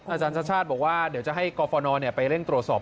อาจารย์ชาติชาติบอกว่าเดี๋ยวจะให้กรฟนไปเร่งตรวจสอบ